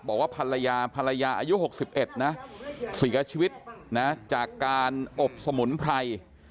บอกว่าภรรยาภรรยาอายุ๖๑นะเสียชีวิตนะจากการอบสมุนไพร